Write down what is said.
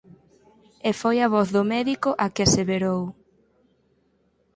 E foi a voz do médico a que aseverou: